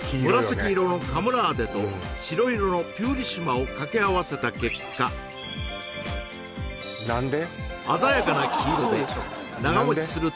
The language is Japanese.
紫色のカムラーデと白色のピューリシマを掛け合わせた結果何で？